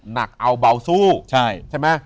หนักเอาเบาสู้ใช่ไหม